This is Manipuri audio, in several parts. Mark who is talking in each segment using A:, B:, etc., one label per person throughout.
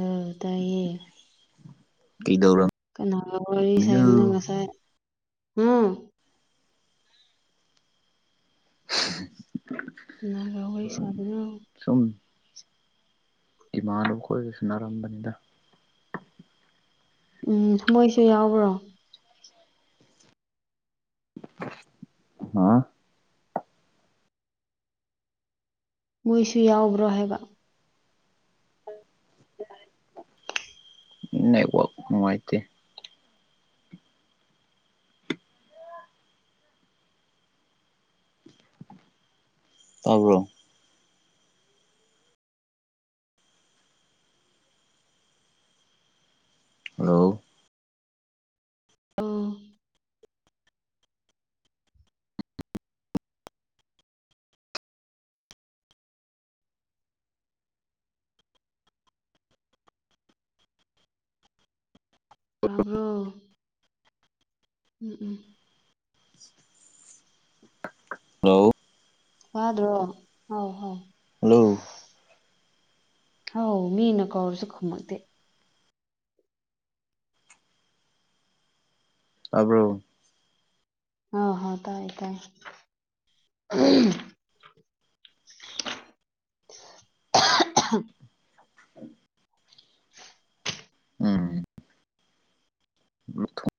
A: ꯑ ꯇꯌꯦ
B: ꯀꯗꯧꯔ
A: ꯀꯅꯥꯒ ꯋꯥꯔꯤ ꯁꯥꯏꯅꯣ ꯉꯁꯥꯏ ꯍꯥ ꯀꯅꯥꯒ ꯋꯥꯔꯤ ꯁꯥꯗꯨꯅꯣ
B: ꯁꯨꯝ ꯏꯃꯥꯟꯅꯕ ꯈꯣꯏꯒꯁꯟꯅꯔꯝꯕꯅꯤꯅ
A: ꯎꯝ ꯃꯣꯏꯁꯨ ꯌꯥꯎꯕ꯭ꯔꯣ
B: ꯍꯥ
A: ꯃꯣꯏꯁꯨ ꯌꯥꯎꯕ꯭ꯔꯣ ꯍꯥꯏꯕ
B: ꯅꯦꯠꯋꯔꯛ ꯅꯨꯡꯉꯥꯏꯇꯦ ꯇꯥꯕ꯭ꯔꯣ ꯍꯜꯂꯣ
A: ꯑꯥ ꯇꯥꯕ꯭ꯔꯣ ꯎꯝ ꯎꯝ
B: ꯍꯜꯂꯣ
A: ꯇꯥꯗꯔꯣ ꯍꯥꯎ ꯍꯥꯎ
B: ꯍꯜꯂꯣ
A: ꯍꯥꯎ ꯃꯤꯅ ꯀꯧꯔꯁꯨ ꯈꯨꯝꯃꯛꯇꯦ
B: ꯇꯥꯕ꯭ꯔꯣ
A: ꯍ ꯍꯣ ꯇꯥꯏꯌꯦ ꯇꯥꯏ
B: ꯎꯝ ꯎꯝ ꯃ꯭ꯔꯊꯣ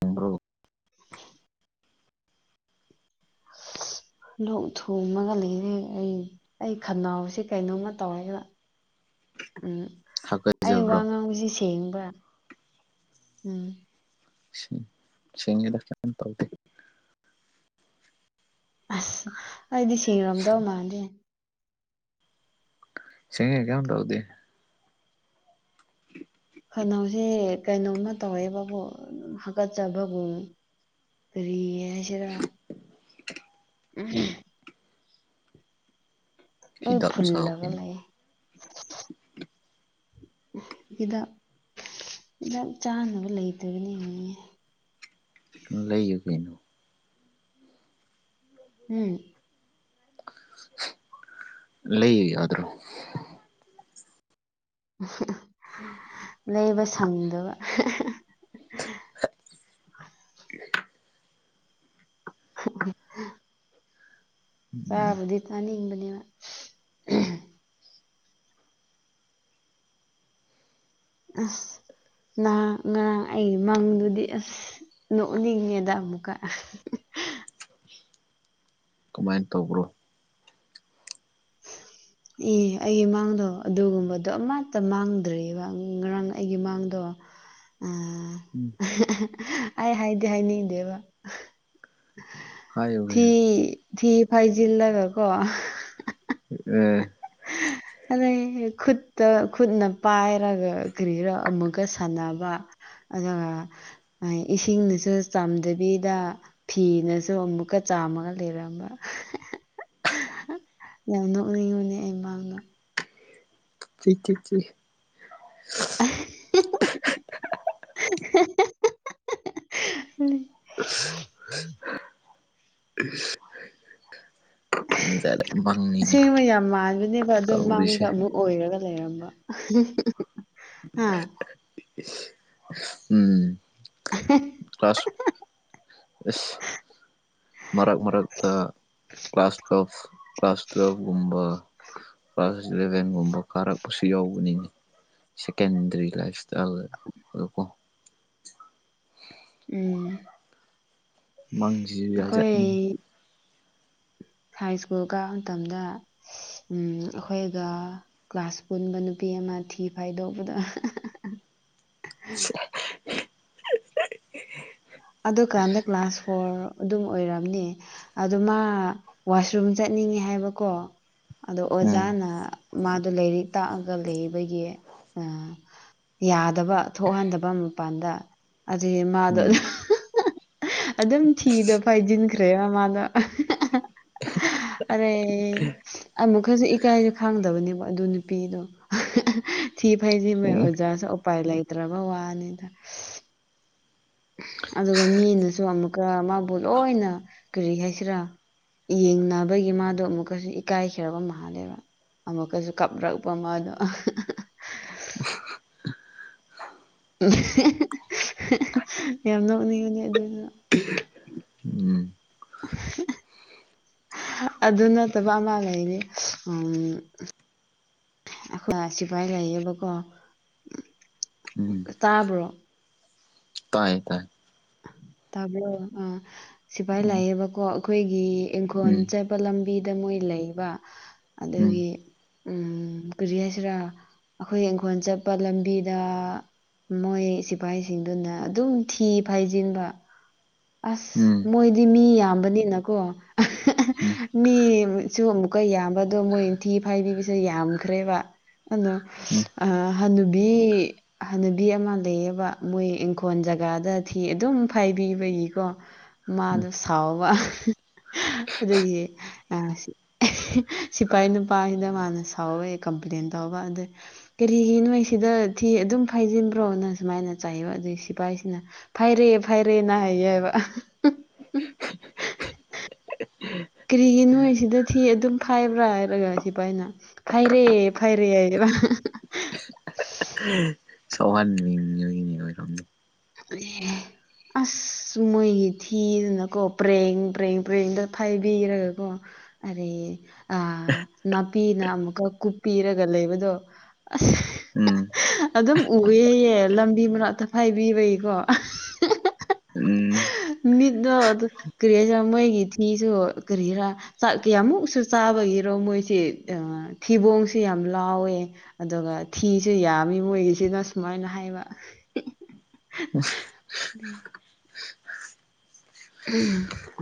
B: [unintelligible]
A: ꯂꯣꯛ ꯊꯨꯡꯉꯒꯒ ꯂꯩꯔꯦ ꯑꯩ ꯑꯩ ꯈꯅꯥꯎꯁꯦ ꯀꯩꯅꯣꯝꯃ ꯇꯧꯔꯦꯕ ꯎꯝ ꯑꯩ ꯋꯥ
B: ꯍꯥꯀꯠꯆꯕ꯭ꯔꯣ
A: ꯉꯥꯡꯕꯁꯤ ꯁꯦꯡꯕ꯭ꯔ ꯎꯝ
B: ꯁꯦꯡꯉꯤꯗ ꯀꯦꯝ ꯇꯧꯗꯦ
A: ꯑꯁ ꯑꯩꯗꯤ ꯁꯦꯡꯉꯝꯗꯧ ꯃꯥꯟꯗꯦ
B: ꯁꯦꯡꯉꯦ ꯀꯌꯦꯝ ꯇꯧꯗꯦ
A: ꯈꯅꯥꯎꯁꯤ ꯀꯩꯅꯣꯝꯃ ꯇꯧꯋꯦꯕꯀꯣ ꯍꯀꯠꯆꯕꯒꯨꯝ ꯀꯔꯤ ꯍꯥꯏꯁꯤꯔ ꯎꯝ ꯂꯣꯏ
B: ꯍꯤꯗꯥꯛ ꯆꯥꯎ
A: ꯐꯨꯜꯂꯒ
B: ꯀꯩꯅꯣ
A: ꯂꯩ ꯍꯤꯗꯥꯛ ꯍꯤꯗꯥꯛ ꯆꯥꯅꯕ ꯂꯩꯇꯕꯅꯦꯌꯦ
B: ꯂꯩꯌꯨ ꯀꯩꯅꯣ
A: ꯎꯝ
B: ꯂꯩ ꯌꯥꯗ꯭ꯔꯣ
A: ꯂꯩꯕ ꯁꯪꯗꯕ
B: ꯍꯥ ꯑ
A: ꯍꯨꯝ ꯍꯨꯝ
B: ꯎꯝ
A: ꯆꯥꯕꯗꯤ ꯆꯥꯅꯤꯡꯕꯅꯦꯕ ꯑꯁ ꯉꯔꯥꯡ ꯑꯩ ꯃꯪꯗꯨꯗꯤ ꯑꯁ ꯅꯣꯛꯅꯤꯡꯉꯦꯗ ꯑꯃꯨꯛꯀ
B: ꯀꯃꯥꯏꯅ ꯇꯧꯕ꯭ꯔꯣ ꯍ
A: ꯑꯦ ꯑꯩꯒꯤ ꯃꯥꯡꯗꯣ ꯑꯗꯨꯒꯨꯝꯕꯗꯣ ꯑꯃꯠꯇ ꯃꯥꯡꯗ꯭ꯔꯤꯑꯕ ꯉꯔꯥꯡ ꯑꯩꯒꯤ ꯃꯥꯡꯗꯣ ꯎꯝ
B: ꯎꯝ
A: ꯑꯩ ꯍꯥꯏꯗꯤ ꯍꯥꯏꯅꯤꯡꯗꯦꯕ
B: ꯍꯥꯏꯌꯨ
A: ꯊꯤ
B: ꯀꯩꯅꯣ
A: ꯊꯤ ꯐꯥꯏꯖꯤꯜꯂꯒꯀꯣ
B: ꯑꯥ
A: ꯑꯗꯩ ꯈꯨꯠꯇ ꯈꯨꯠꯅ ꯄꯥꯏꯔꯒ ꯀꯔꯤꯔꯥ ꯑꯃꯨꯛꯀꯥ ꯁꯥꯟꯅꯕ ꯑꯗꯨꯒꯥ ꯏꯁꯤꯡꯅꯁꯨ ꯆꯝꯗꯕꯤꯗꯥ ꯐꯤꯅꯁꯨ ꯑꯃꯨꯛꯀꯥ ꯆꯥꯝꯃꯒ ꯂꯩꯔꯝꯕ ꯌꯥꯝ ꯅꯣꯛꯅꯤꯡꯉꯕꯅꯦ ꯑꯩ ꯃꯥꯡꯅꯣ
B: [unintelligible]
A: [unintelligible]
B: [unintelligible] ꯖꯠ ꯃꯪꯅꯤꯅꯦ
A: ꯑꯁꯤꯡꯕ ꯌꯥꯝ ꯃꯥꯟꯕꯅꯦꯕ ꯑꯗꯣ ꯃꯥꯡꯗ
B: ꯇꯧꯔꯤꯁꯦ
A: ꯑꯃꯨꯛ ꯑꯣꯏꯔꯒ ꯂꯩꯔꯝꯕ ꯍꯥ
B: ꯎꯝ ꯀ꯭ꯂꯥꯁ ꯏꯁ ꯃꯔꯛ ꯃꯔꯛꯇ ꯀ꯭ꯂꯥꯁ ꯇꯨꯋꯦꯜꯐ ꯀ꯭ꯂꯥꯁ ꯇꯨꯋꯦꯜꯐ ꯒꯨꯝꯕ ꯀ꯭ꯂꯥꯁ ꯏꯂꯦꯚꯦꯟꯒꯨꯝꯕ ꯀꯥꯔꯛꯄꯁꯨ ꯌꯥꯎꯕꯅꯤꯅ‌ꯦ ꯁꯦꯀꯦꯟꯗꯔꯤ ꯂꯥꯏꯐ ꯏꯁꯇꯥꯏꯜ ꯑꯗꯨꯒ ꯀꯣ
A: ꯎꯝ
B: ꯃꯥꯡꯁꯤꯖꯨ ꯖꯥꯠ
A: ꯑꯩꯈꯣꯏ
B: ꯖꯥꯠꯅꯤ
A: ꯍꯥꯏ ꯁ꯭ꯀꯨꯜ ꯀꯥꯕ ꯃꯇꯝꯗ ꯑꯩꯈꯣꯏꯒ ꯀ꯭ꯂꯥꯁ ꯄꯨꯟꯕ ꯅꯨꯄꯤ ꯑꯃ ꯊꯤ ꯐꯥꯏꯗꯣꯛꯄꯗ
B: [unintelligible]
A: ꯑꯗꯨꯀꯥꯟꯗ ꯀ꯭ꯂꯥꯁ ꯐꯣꯔ ꯑꯗꯨꯝ ꯑꯣꯏꯔꯝꯅꯤ ꯑꯗꯨ ꯃꯥ ꯋꯥꯁꯔꯨꯝ ꯆꯠꯅꯤꯡꯉꯤ ꯍꯥꯏꯕꯀꯣ ꯑꯗꯣ
B: ꯎꯝ
A: ꯑꯣꯖꯥꯅ ꯃꯥꯗꯣ ꯂꯥꯏꯔꯤꯛ ꯇꯥꯛꯑꯒ ꯂꯩꯕꯒꯤ ꯑꯥ ꯌꯥꯗꯕ ꯊꯣꯛꯍꯟꯗꯕ ꯃꯄꯥꯟꯗ ꯑꯗꯨꯗꯤ ꯃꯥꯗꯣ ꯑꯥ
B: ꯎꯝ
A: ꯑꯗꯨꯝ ꯊꯤꯗꯣ ꯐꯥꯏꯖꯤꯟꯈ꯭ꯔꯦꯕ ꯃꯥꯗꯣ ꯑꯔꯩ ꯑꯃꯨꯛꯀꯁꯨ ꯏꯀꯥꯏꯕ ꯈꯪꯗꯕꯅꯦꯕ ꯑꯗꯨ ꯅꯨꯄꯤꯗꯣ ꯊꯤ ꯐꯥꯏꯖꯤꯟꯕꯩ
B: ꯎꯝ
A: ꯑꯣꯖꯥꯁꯨ ꯎꯄꯥꯏ ꯂꯩꯇ꯭ꯔꯕ ꯋꯥꯅꯤꯗꯥ ꯑꯗꯨꯒ ꯃꯤꯅꯁꯨ ꯑꯃꯨꯛꯀꯥ ꯃꯥꯕꯨ ꯂꯣꯏꯅ ꯀꯔꯤ ꯍꯥꯏꯁꯤꯔꯥ ꯌꯦꯡꯅꯕꯒꯤ ꯃꯥꯗꯣ ꯑꯃꯨꯛꯀꯥꯁꯨ ꯏꯀꯥꯏꯈꯔꯥꯕ ꯃꯥꯜꯂꯦꯕ ꯑꯃꯨꯛꯀꯥꯖꯨ ꯀꯥꯞꯔꯛꯄ ꯃꯥꯗꯣ ꯌꯥꯝ ꯅꯣꯛꯅꯤꯡꯉꯦ ꯑꯗꯨꯒꯤ
B: ꯎꯝ
A: [unintelligible] ꯑꯗꯨ ꯅꯠꯇꯕ ꯑꯃ ꯂꯩꯅꯤ ꯎꯝ ꯑꯩꯈꯣꯏ ꯁꯤꯐꯥꯏ ꯂꯩꯌꯦꯕꯀꯣ ꯇꯥꯕ꯭ꯔꯣ
B: ꯇꯥꯏꯌꯦ ꯇꯥꯏ
A: ꯇꯥꯕꯔꯣ ꯑꯥ ꯁꯤꯐꯥꯏ
B: ꯎꯝ
A: ꯂꯥꯛꯑꯦꯕꯀꯣ ꯑꯩꯈꯣꯏꯒꯤ ꯏꯪꯈꯣꯜ
B: ꯎꯝ
A: ꯆꯠ ꯄ ꯂꯝꯕꯤꯗ ꯃꯣꯏ ꯂꯩꯕ
B: ꯎꯝ
A: ꯑꯗꯨꯒꯤ ꯎꯝ ꯀꯔꯤ ꯍꯥꯏꯁꯤꯔꯥ ꯑꯩꯈꯣꯏ ꯏꯪꯈꯣꯜ ꯆꯠꯄ ꯂꯝꯕꯤꯗ ꯃꯣꯏ ꯁꯤꯐꯥꯏꯁꯤꯡꯗꯨꯅ ꯑꯗꯨꯝ ꯊꯤ ꯐꯥꯏꯖꯤꯟꯕ ꯑꯁ
B: ꯎꯝ
A: ꯃꯣꯏꯗꯤ ꯃꯤ ꯌꯥꯝꯕꯅꯤꯅꯀꯣ
B: ꯎꯝ
A: ꯃꯤꯁꯨ ꯑꯃꯨꯛꯀꯥ ꯌꯥꯝꯕꯗꯣ ꯃꯣꯏꯊꯤ ꯐꯥꯏꯕꯤꯕꯁꯨ ꯌꯥꯝꯈ꯭ꯔꯦꯕ ꯑꯅꯣ
B: ꯎꯝ ꯎꯝ
A: ꯑꯥ ꯍꯅꯨꯕꯤ ꯍꯅꯨꯕꯤ ꯑꯃ ꯂꯩꯌꯦꯕ ꯃꯣꯏ ꯏꯪꯈꯣꯜ ꯖꯒꯥꯗ ꯊꯤ ꯑꯗꯨꯝ ꯐꯥꯏꯕꯤꯕꯒꯤꯀꯣ ꯃꯥꯗꯣ ꯁꯥꯎꯕ ꯑꯗꯨꯒꯤ ꯑꯥ ꯁꯤ ꯁꯤꯐꯥꯏ ꯅꯨꯄꯥꯁꯤꯅ ꯃꯥꯅ ꯁꯥꯎꯋꯦ ꯀꯝꯄ꯭ꯂꯦꯟ ꯇꯧꯕ ꯑꯗꯩ ꯀꯔꯤꯒꯤ ꯅꯣꯏ ꯁꯤꯗ ꯊꯤ ꯑꯗꯨꯝ ꯐꯥꯏꯖꯤꯟꯕ꯭ꯔꯣꯅ ꯁꯨꯃꯥꯏꯅ ꯆꯥꯏꯕ ꯑꯗꯨꯒꯤ ꯁꯤꯐꯥꯏꯁꯤꯅ ꯐꯥꯏꯔ‍ꯦ ꯐꯥꯏꯔꯦ ꯅ ꯍꯥꯏꯌꯦꯕ ꯌꯥꯎꯕ ꯑꯍ ꯀꯔꯤꯒꯤ ꯅꯣꯏꯁꯤꯗ ꯊꯤ ꯑꯗꯨꯝ ꯈꯥꯏꯕ꯭ꯔꯥ ꯍꯥꯏꯔꯒ ꯁꯤꯐꯥꯏꯅ ꯐꯥꯏꯔꯦ ꯐꯥꯏꯔꯦ ꯍꯥꯏꯒ‌ꯦꯔ
B: ꯁꯧꯍꯟꯅꯤꯡꯉꯏꯅꯤ ꯑꯣꯏꯔꯝꯅꯤ
A: ꯑ ꯑꯁ ꯃꯣꯏꯒꯤ ꯊꯤꯗꯅꯀꯣ ꯄ꯭ꯔꯦꯡ ꯄ꯭ꯔꯦꯡ ꯄ꯭ꯔꯦꯡꯗ ꯐꯥꯏꯕꯤꯔꯒꯀꯣ ꯑꯗꯩ ꯑ ꯅꯥꯄꯤꯅ ꯑꯃꯨꯛꯀ ꯀꯨꯞꯄꯤꯔꯒ ꯂꯩꯕꯗꯣ ꯑꯁ
B: ꯎꯝ
A: ꯑꯗꯨꯝ ꯎꯑꯦꯌꯦ ꯂꯝꯕꯤ ꯃꯅꯥꯛꯇꯐꯥꯏꯕꯤꯕꯒꯤꯀꯣ
B: ꯎꯝ
A: ꯃꯤꯠꯅꯣ ꯑꯗꯨ ꯀꯔꯤ ꯍꯥꯏꯁꯤꯔꯥ ꯃꯣꯏꯒꯤ ꯊꯤꯁꯨ ꯀꯔꯤ ꯍꯥꯏꯔꯥ ꯆꯥꯛ ꯀꯌꯥꯃꯨꯛꯁꯨ ꯆꯥꯕꯒꯤꯔꯣ ꯃꯣꯏꯁꯤ ꯊꯤꯕꯣꯡꯁꯨ ꯌꯥꯝ ꯂꯥꯎꯋꯦ ꯑꯗꯨꯒ ꯊꯤꯁꯨ ꯌꯥꯝꯃꯤ ꯃꯣꯏꯒꯤꯁꯤꯅ ꯁꯨꯃꯥꯏꯅ ꯍꯥꯏꯕ
B: ꯎ [unintelligible]
A: ꯎꯝ [unintelligible]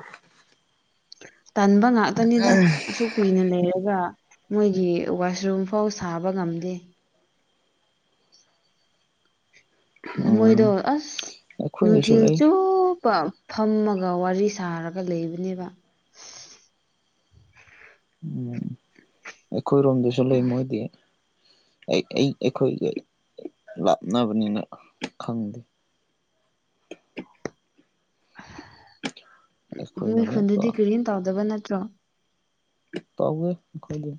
B: [unintelligible]
A: ꯇꯟꯕ ꯉꯥꯛꯇꯅꯤꯗ ꯑꯁꯨꯛ ꯀꯨꯏꯅ ꯂꯩꯔꯒ ꯃꯣꯏꯒꯤ ꯋꯥꯁꯔꯨꯝꯐꯥꯎ ꯁꯥꯕ ꯉꯝꯗꯦ ꯃꯣꯏꯗꯣ
B: ꯎꯝ
A: ꯑꯁ
B: ꯑꯩꯈꯣꯏꯒꯤꯁꯨ
A: ꯅꯨꯊꯤꯜ
B: ꯂꯩ
A: ꯆꯨꯞꯄꯥ ꯐꯝꯃꯒ ꯋꯥꯔꯤ ꯁꯥꯔꯒ ꯂꯩꯕꯅꯦꯕ
B: ꯎꯝ ꯑꯩꯈꯣꯏꯔꯣꯝꯗꯁꯨ ꯂꯩ ꯃꯣꯏꯗꯤ ꯑꯩ ꯑꯩ ꯑꯩꯈꯣꯏꯒ ꯂꯥꯞꯅꯕꯅꯤꯅ ꯈꯪꯗꯦ [unintelligible]
A: ꯎ
B: ꯑꯩꯈꯣꯏꯅ
A: ꯃꯣꯏ
B: ꯑꯃꯨꯛꯀ
A: ꯈꯨꯟꯗꯗꯤ ꯀꯔꯤꯝ ꯇꯧꯗꯕ ꯅꯠꯇ꯭ꯔꯣ
B: ꯇꯕꯨꯏ ꯈꯣꯏꯗ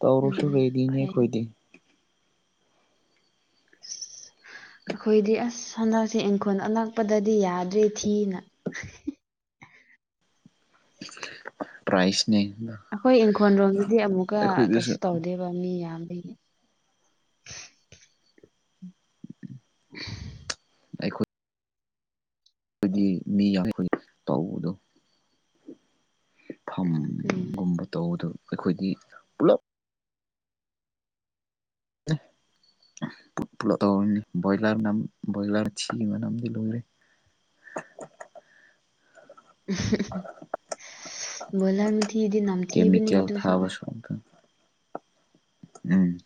B: ꯇꯧꯔꯁ
A: ꯎꯝ
B: ꯑꯦꯗꯤ ꯌꯦ
A: ꯐꯩ
B: ꯍꯣꯏꯗꯤ
A: ꯑꯩꯈꯣꯏꯗꯤ ꯑꯁ ꯍꯟꯗꯛꯁꯦ ꯏꯪꯈꯣꯜ ꯑꯜꯂꯛꯄꯗꯗꯤ ꯌꯥꯗ꯭ꯔꯦ ꯊꯤꯅ
B: ꯄ꯭ꯔꯥꯏꯁꯅꯦ
A: ꯑꯩꯈꯣꯏ ꯏꯪꯈꯣꯜꯔꯣꯝꯗꯗꯤ ꯑꯃꯨꯛꯀ ꯀꯩꯁꯨ ꯇꯧꯗꯦꯕ ꯃꯤ ꯌꯥꯝꯕꯅꯦ
B: ꯀ [unintelligible] ꯑꯩꯈꯣꯏ ꯑꯩꯈꯣꯏꯒꯤ ꯃꯤ ꯌꯥꯝ ꯑꯩꯈꯣꯏ ꯇꯕꯗꯣ
A: ꯎꯝ
B: ꯐꯝꯒꯨꯝꯕ ꯇꯧꯕꯗꯨ ꯑꯩꯈꯣꯏꯗꯤ ꯄꯨꯂꯞ ꯍ [unintelligible] ꯄꯨꯂꯞ ꯇꯔꯤꯅꯤ ꯕꯣꯏꯂꯔꯅ ꯕꯣꯏꯂꯔ ꯁꯤꯕꯅꯝꯗꯤ ꯂꯣꯏꯔꯦ [unintelligible]
A: ꯕꯣꯏꯂꯔ ꯃꯊꯤꯗꯤ ꯅꯝꯊꯤꯕꯅꯦ
B: ꯀꯦꯃꯤꯀꯦꯜ
A: ꯑꯗꯨꯁꯨ
B: ꯊꯥꯕꯁꯨ ꯑꯝꯇ ꯎꯝ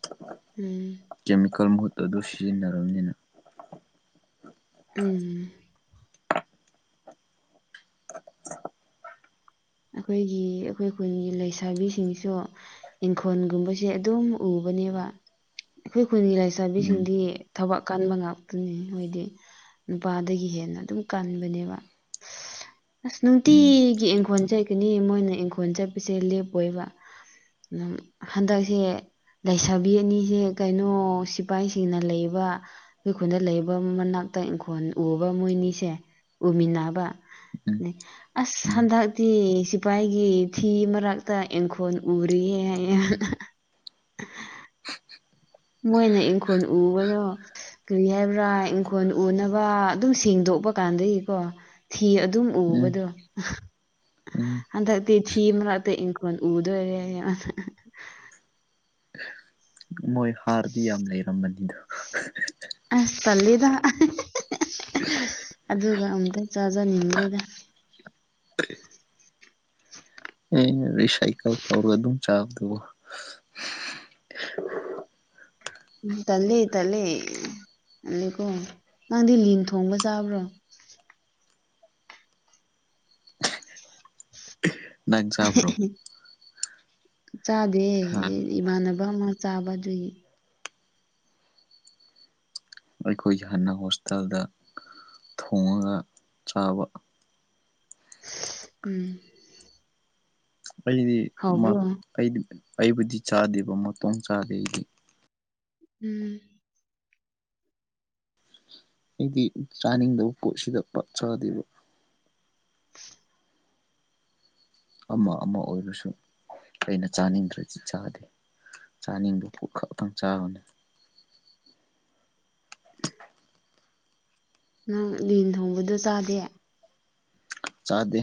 A: ꯎꯝ [unintelligible]
B: ꯀꯦꯃꯤꯀꯦꯜ ꯃꯍꯨꯠꯇ ꯑꯗꯨ ꯁꯤꯖꯤꯟꯅꯔꯕꯅꯤꯅ
A: ꯎꯝ ꯑꯩꯈꯣꯏꯒꯤ ꯑꯩꯈꯣꯏ ꯈꯨꯟꯒꯤ ꯂꯩꯁꯥꯕꯤꯁꯤꯡꯁꯨ ꯏꯪꯈꯣꯜꯒꯨꯝꯕꯁꯦ ꯑꯗꯨꯝ ꯎꯕꯅꯦꯕ ꯑꯩꯈꯣꯏ ꯈꯨꯟꯒꯤ
B: ꯎꯝ
A: ꯂꯩꯥꯏꯁꯥꯕꯤꯁꯤꯡꯗꯤ ꯊꯕꯛ ꯀꯟꯕ ꯉꯥꯛꯇꯅꯤ ꯃꯣꯏꯗꯤ ꯅꯨꯄꯥꯗꯒꯤ ꯍꯦꯟꯅ ꯑꯗꯨꯝ ꯀꯟꯕꯅꯦꯕ ꯑꯁ
B: ꯎꯝ
A: ꯅꯨꯡꯇꯤꯒꯤ ꯏꯡꯈꯣꯟꯜ ꯆꯠꯀꯅꯤ ꯃꯣꯏꯅ ꯏꯪꯈꯣꯜ ꯆꯠꯄꯁꯦ ꯂꯦꯞꯄꯣꯏꯕ ꯑꯗꯨꯝ ꯍꯟꯗꯛꯁꯦ ꯂꯩꯁꯥꯕꯤ ꯑꯅꯤꯁꯦ ꯀꯩꯅꯣ ꯁꯤꯐꯥꯏꯁꯤꯡꯅ ꯂꯩꯕ ꯑꯩꯈꯨꯜꯗ ꯂꯩꯕ ꯃꯅꯥꯛꯇ ꯏꯪꯈꯣꯜ ꯎꯕ ꯃꯣꯏꯅꯤꯁꯦ ꯎꯃꯤꯟꯅꯕ
B: ꯎꯝ
A: ꯑ
B: ꯎꯝ
A: ꯍꯗ ꯁꯤꯐꯥꯏꯒꯤ ꯐꯤ ꯃꯔꯛꯇ ꯏꯪꯈꯣꯜ ꯎꯔꯤꯌꯦꯅ ꯃꯣꯏꯅ ꯏꯪꯈꯣꯜ ꯎꯕꯗꯣ ꯀꯔꯤ ꯍꯥꯏꯕ꯭ꯔꯥ ꯏꯪꯈꯣꯜ ꯎꯅꯕ ꯑꯗꯨꯝ ꯁꯦꯡꯗꯣꯛꯄ ꯀꯥꯟꯗꯒꯤꯀꯣ ꯊꯤ ꯑꯗꯨꯝ
B: ꯎꯝ
A: ꯎꯕꯗꯣ
B: ꯎꯝ
A: ꯑꯗꯗꯤ ꯊꯤꯝ ꯔ ꯑꯇ ꯏꯪꯀ ꯎꯗ ꯑꯣꯏꯔ
B: ꯃꯣꯏ ꯍꯥꯔꯗꯤ ꯌꯥꯝ ꯂꯩꯔꯝꯕꯅꯤꯗ
A: ꯑ ꯇꯂꯗ
B: ꯏꯁ
A: ꯑꯗꯨꯒ ꯑꯃꯨꯛꯇꯪ ꯆꯥꯖꯅꯤꯡꯗ꯭ꯔꯦꯗ
B: ꯑꯩꯅ ꯔꯤꯁꯥꯏꯀꯜ ꯇꯧꯔ ꯑꯗꯨꯝ ꯆꯥꯕꯗꯨꯕ
A: ꯎ ꯇꯜꯂꯦ ꯇꯠꯂꯦ ꯇꯜꯂꯦꯀꯣ ꯅꯪꯗꯤ ꯂꯤꯟ ꯊꯣꯡꯕ ꯆꯥꯕ꯭ꯔꯣ
B: ꯅꯪ ꯆꯕ꯭ꯔꯣ
A: ꯆꯥꯗꯦ
B: ꯍꯥ
A: ꯏꯃꯥꯟꯅꯕ ꯑꯃ ꯆꯥꯕ ꯑꯗꯨꯏ
B: ꯑꯩꯈꯣꯏꯒꯤ ꯍꯥꯟꯅ ꯍꯣꯁꯇꯥꯦꯜꯗ ꯊꯣꯡꯉꯒ ꯆꯥꯕ
A: ꯎꯝ ꯍꯥꯎꯕ꯭ꯔꯣ
B: ꯑꯩꯗꯤꯗꯤ ꯑꯩꯕꯨꯗꯤ ꯆꯥꯗꯦꯕ ꯃꯇꯣꯡ ꯆꯥꯗꯦ ꯑꯩꯗꯤ
A: ꯎꯝ
B: ꯑꯩꯗꯤ ꯆꯥꯅꯤꯡꯗꯕ ꯄꯣꯠꯁꯤꯗ ꯄꯛꯊꯗꯦꯕ ꯑꯃ ꯑꯃ ꯑꯣꯏꯔꯁꯨ ꯑꯩꯅ ꯆꯥꯅꯤꯡꯗ꯭ꯔꯗꯤ ꯆꯥꯗꯦ ꯆꯥꯅꯤꯡꯕ ꯄꯠ ꯈꯛꯇꯪ ꯆꯥꯕꯅꯤ
A: ꯅꯪ ꯂꯤꯟ ꯊꯣꯡꯕꯗꯣ ꯆꯥꯗꯦ
B: ꯆꯥꯗꯦ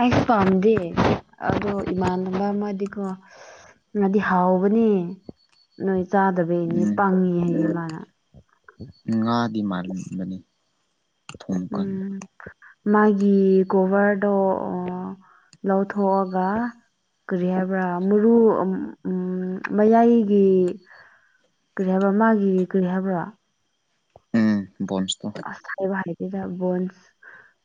A: ꯑꯩꯁꯨ ꯄꯥꯝꯗꯦ ꯑꯗꯣ ꯏꯃꯥꯟꯅꯕ ꯑꯃꯗꯤꯀꯣ ꯉꯗꯤ ꯍꯥꯎꯕꯅꯦ ꯅꯣꯏ ꯆꯥꯗꯕꯩꯅꯦ
B: ꯎꯝ
A: ꯄꯪꯉꯤ ꯍꯥꯏꯌꯦ ꯃꯥꯅ
B: ꯉꯥꯗꯤ ꯃꯟꯕꯅꯤ ꯊꯣꯡ ꯀꯟꯕ
A: ꯎꯝ ꯃꯥꯒꯤ ꯒꯣꯚꯔꯗꯣ ꯂꯧꯊꯣꯛꯑꯒ ꯀꯔꯤ ꯍꯥꯏꯕ꯭ꯔꯥ ꯃꯨꯔꯨ ꯎꯝ ꯃꯌꯥꯏꯒꯤ ꯀꯔꯤ ꯍꯥꯏꯕ꯭ꯔꯣ ꯃꯥꯒꯤ ꯀꯔꯤ ꯍꯥꯏꯕ꯭ꯔꯥ
B: ꯕꯣꯟꯁ
A: ꯑꯁ ꯍꯥꯏꯕ ꯍꯥꯏꯕꯤꯗ ꯕꯣꯟꯁ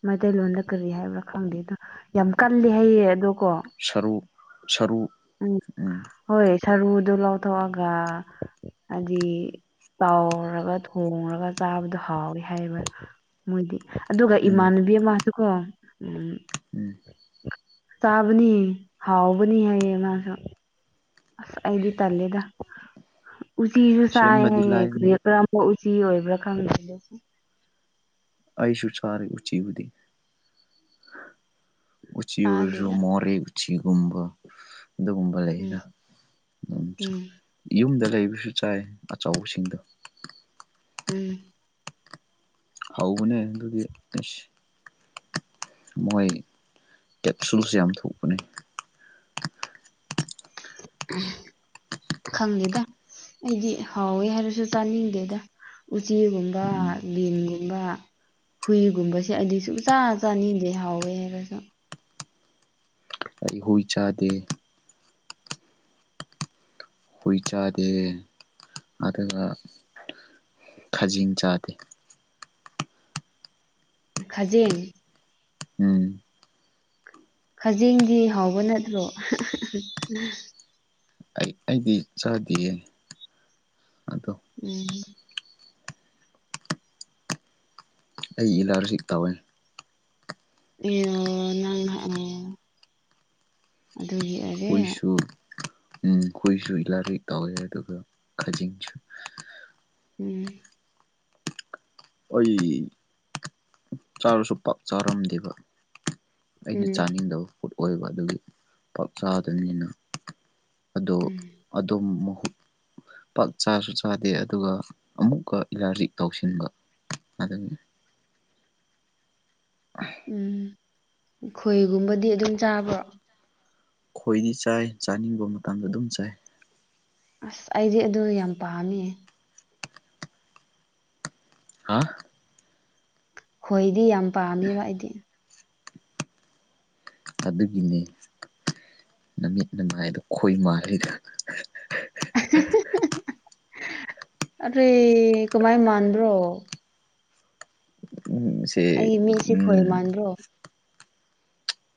A: ꯃꯩꯇꯩꯂꯣꯟꯗ ꯀꯔꯤ ꯍꯥꯏꯕ꯭ꯔꯥ ꯈꯪꯗꯦ ꯑꯗꯣ ꯌꯥꯝ ꯀꯜꯂꯤ ꯍꯥꯏꯌꯦ ꯑꯗꯣ ꯀꯣ
B: ꯁꯔꯨ ꯁꯔꯨ ꯎꯝ
A: ꯍꯣꯏ ꯁꯔꯨꯗꯣ ꯂꯧꯊꯣꯛꯑꯒ ꯍꯥꯏꯗꯤ ꯆꯥꯎꯔꯒ ꯊꯣꯡꯉꯒ ꯆꯥꯕꯗꯣ ꯍꯥꯎꯋꯤ ꯍꯥꯏꯌꯦꯕ ꯃꯣꯏꯗꯤ ꯑꯗꯨꯒ
B: ꯎꯝ
A: ꯏꯃꯥꯟꯅꯕꯤ ꯑꯃꯁꯨꯀꯣ ꯎꯝ
B: ꯎꯝ
A: ꯆꯥꯕꯅꯤ ꯍꯥꯎꯕꯅꯤ ꯍꯥꯏ ꯃꯁꯨ ꯑ ꯑꯩꯗꯤ ꯇꯜꯂꯦꯗ ꯎꯆꯤꯁꯨꯨ ꯁꯥꯏ
B: ꯁꯦꯝꯕꯗꯤ
A: ꯍꯥꯏꯌꯦ
B: ꯂꯥꯏꯕꯅꯤ
A: ꯔꯦꯗ ꯀꯔꯝꯕ ꯎꯆꯤ ꯑꯣꯏꯕ꯭ꯔꯥ ꯈꯪꯗꯦ
B: ꯑꯩꯁꯨ ꯁꯔꯦ ꯎꯎꯆꯤꯕꯨꯗꯤ ꯎꯆꯤ ꯑꯣꯏꯁꯨ
A: ꯆꯥꯗꯦꯗ
B: ꯃꯣꯔꯦ ꯎ ꯎꯆꯤꯒꯨꯝ ꯑꯗꯨꯒꯨꯝ
A: ꯎꯝ
B: ꯂꯩꯅ ꯑꯩꯅ
A: ꯎꯝ
B: ꯎ ꯌꯨꯝꯗ ꯂꯩꯕꯁꯨ ꯆꯥꯏ ꯑꯆꯧꯕꯁꯤꯡꯗꯣ
A: ꯎꯝ
B: ꯍꯧꯕꯅꯦ ꯑꯗꯨꯗꯤ ꯃꯣꯏ ꯀꯦꯠ ꯁꯨꯁ ꯌꯥꯝ ꯊꯣꯛꯄꯅꯦ
A: ꯎ ꯈꯪꯗꯦꯗ ꯑꯩꯗꯤ ꯍꯥꯎꯋꯦ ꯍꯥꯏꯔꯁꯨ ꯆꯥꯅꯤꯡꯗꯦꯗ ꯎꯆꯤꯒꯨꯝꯕ
B: ꯎꯝ
A: ꯂꯤꯟꯒꯨꯝꯕ ꯍꯨꯏꯒꯨꯝꯕꯁꯦ ꯑꯩꯗꯤ ꯁꯨꯡꯆꯥ ꯆꯥꯅꯤꯗꯤ ꯍꯥꯎꯋꯦ ꯍꯥꯏꯔꯁꯨ
B: ꯑꯩ ꯍꯣꯏ ꯆꯗꯦ ꯍꯨꯏ ꯆꯥꯗꯦ ꯑꯗꯨꯒ ꯈꯥꯖꯤꯡ ꯆꯥꯗꯦ
A: ꯈꯖꯤꯡ
B: ꯎꯝ
A: ꯈꯖꯦꯡꯗꯤ ꯍꯥꯎꯕ ꯅꯠꯇ꯭ꯔꯣ
B: ꯑꯩ ꯑꯩꯗꯤ ꯆꯥꯗꯦꯌꯦ ꯑꯗꯣ
A: ꯎꯝ
B: ꯑꯩ ꯑꯦꯂꯥꯔꯖꯤꯛ ꯇꯧꯋꯦ
A: ꯑꯣ ꯑꯗꯨꯒꯤ ꯑꯣꯏꯔꯦ
B: ꯑꯩꯈꯣꯏꯁꯨ ꯎꯝ ꯑꯩꯈꯣꯏꯁꯨ ꯂꯥꯏꯔꯤꯛ ꯇꯧꯋꯦ ꯑꯗꯨꯒ ꯈꯖꯤꯡꯁꯨ
A: ꯎꯝ
B: ꯑꯩ ꯆꯥꯔꯁꯨ ꯄꯥꯛ ꯆꯥꯔꯝꯗꯦꯕ ꯑꯩꯅ
A: ꯎꯝ
B: ꯆꯥꯅꯤꯡꯗꯕ ꯄꯣꯠ ꯑꯣꯏꯕ ꯑꯗꯨꯒꯤ ꯄꯥꯎꯆꯥꯗꯕꯅꯤꯅ ꯑꯗꯣ
A: ꯎꯝ
B: ꯑꯗꯨꯝ ꯄꯥꯛ ꯆꯥꯁꯨ ꯆꯥꯗꯦ ꯑꯗꯨꯒ ꯑꯃꯨꯛꯀ ꯏꯂꯥꯖꯤꯛ ꯇꯧꯁꯤꯟꯕ ꯑꯗꯨꯅꯤ ꯑ
A: ꯎꯝ ꯈꯣꯏꯒꯨꯝꯕꯗꯤ ꯑꯗꯨꯝ ꯆꯥꯕ꯭ꯔꯣ
B: ꯈꯣꯏꯗꯤ ꯆꯥꯏ ꯆꯥꯅꯤꯡꯕ ꯃꯇꯥꯡꯗ ꯑꯗꯨꯝ ꯆꯥꯏ
A: ꯑꯁ ꯑꯩꯗꯤ ꯑꯗꯨꯗꯣ ꯌꯥꯝ ꯄꯥꯝꯃꯦ
B: ꯍꯥ
A: ꯈꯣꯏꯗꯤ ꯌꯥꯝ ꯄꯥꯝꯃꯦꯕ ꯑꯩꯗꯤ
B: ꯑꯗꯨꯒꯤꯅꯦ ꯅꯨꯃꯤꯠ ꯅꯃꯥꯏꯗꯣ ꯈꯣꯏ ꯃꯥꯜꯂꯤꯗꯣ
A: ꯑꯗꯨꯗꯤ ꯀꯃꯥꯏ ꯃꯥꯟꯕ꯭ꯔꯣ
B: ꯎꯝ ꯁꯦ
A: ꯑꯩ ꯃꯤꯠꯁꯤ ꯈꯣꯏ
B: ꯎꯝ
A: ꯃꯟꯕꯔꯣ